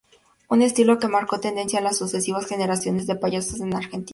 Un estilo que marcó tendencia en las sucesivas generaciones de payasos en Argentina.